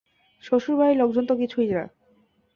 শ্বশুর বাড়ির লোকজন তো কিছুই না।